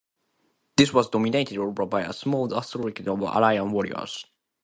This was dominated over by a small aristocracy of Aryan warriors.